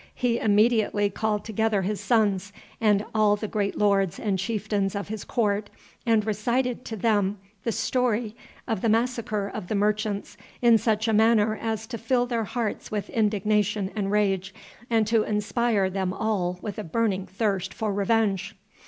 He immediately called together his sons, and all the great lords and chieftains of his court, and recited to them the story of the massacre of the merchants in such a manner as to fill their hearts with indignation and rage, and to inspire them all with a burning thirst for revenge.